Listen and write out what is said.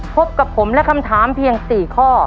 พบกับผมและคำถามเพียง๔ข้อ